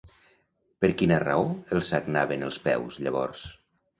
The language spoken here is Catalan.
Per quina raó els sagnaven els peus, llavors?